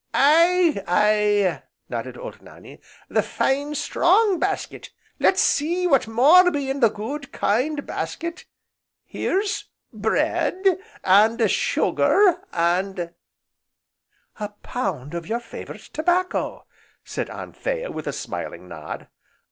"Aye, aye!" nodded old Nannie, "the fine, strong basket, let's see what more be in the good, kind basket. Here's bread, and sugar, and " "A pound of your favourite tobacco!" said Anthea, with a smiling nod.